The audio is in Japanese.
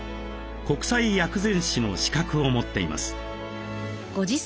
国際薬膳師の資格を持っています。